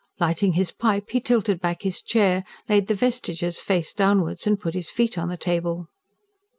Lighting his pipe, he tilted back his chair, laid the VESTIGES face downwards, and put his feet on the table.